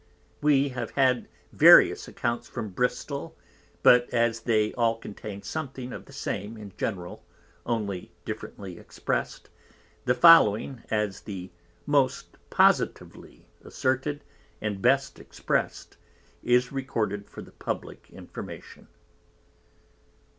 We have had various Accounts from Bristol, _but as they all contain something of the Same in general, only differently Exprest, the following, as the most positively asserted, and best Exprest, is recorded for the publick Information.